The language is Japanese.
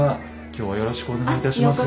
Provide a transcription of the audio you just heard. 今日はよろしくお願いいたします。